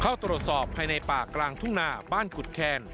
เข้าตรวจสอบภายในป่ากลางทุ่งนาบ้านกุฎแคน